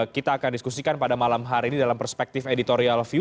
kita akan diskusikan pada malam hari ini dalam perspektif editorial view